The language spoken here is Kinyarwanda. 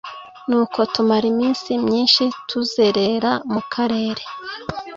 nuko tumara iminsi myinshi tuzerera mu karere